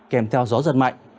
kèm theo gió giật mạnh